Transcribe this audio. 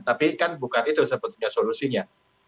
tapi kan bukan itu sebetulnya solusinya